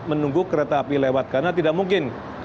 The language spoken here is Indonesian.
menunggu kereta api lewat karena tidak mungkin